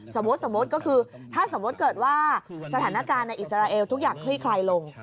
สมมุติก็คือถ้าสมมติเกิดว่าสถานการณ์ในอิสราเอลทุกอย่างคลี่คลายลง